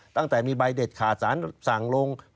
ตั้งแต่มีใบเด็ดขาดสารสั่งลง